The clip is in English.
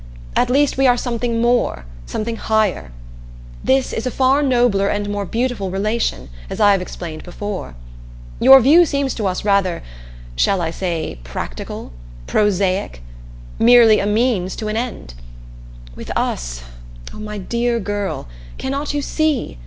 "At least we are something more something higher. This is a far nobler and more beautiful relation, as I have explained before. Your view seems to us rather shall I say, practical? Prosaic? Merely a means to an end! With us oh, my dear girl cannot you see?